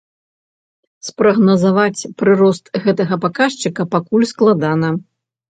Спрагназаваць прырост гэтага паказчыка пакуль складана.